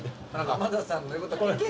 浜田さんの言うこと聞け！